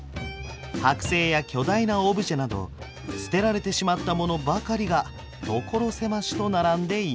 剥製や巨大なオブジェなど捨てられてしまったものばかりが所狭しと並んでいます。